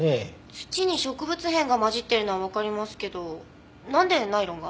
土に植物片が混じっているのはわかりますけどなんでナイロンが？